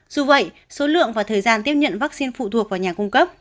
dù vậy số lượng và thời gian tiếp nhận vaccine phụ thuộc vào nhà cung cấp